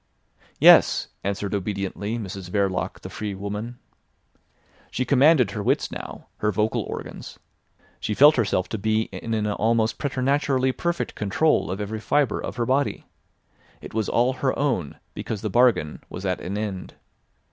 "Yes," answered obediently Mrs Verloc the free woman. She commanded her wits now, her vocal organs; she felt herself to be in an almost preternaturally perfect control of every fibre of her body. It was all her own, because the bargain was at an end.